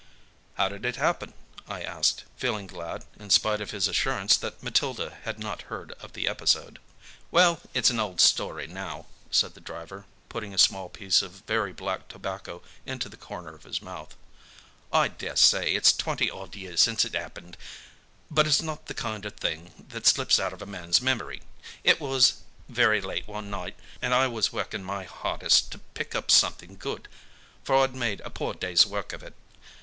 "How did it happen?" I asked, feeling glad, in spite of his assurance, that Matilda had not heard of the episode. "Well, it's an old story now," said the driver, putting a small piece of very black tobacco into the corner of his mouth. "I daresay it's twenty odd years since it happened, but it's not the kind o' thing as slips out of a man's memory. It was very late one night, and I was working my hardest to pick up something good, for I'd made a poor day's work of it.